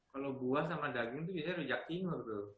kalau buah sama daging itu biasanya rujak timur tuh